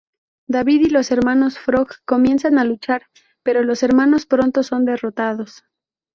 David y los hermanos Frog comienzan a luchar, pero los hermanos pronto son derrotados.